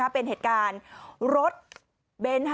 เป็นเหตุการณ์รถเบนท์